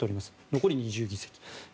残り２０議席。